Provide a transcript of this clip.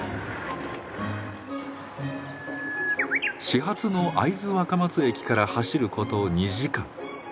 始発の会津若松駅から走ること２時間。